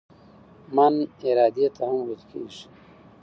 "من" ارادې ته هم ویل کیږي.